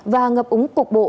và ngập úng cục bộ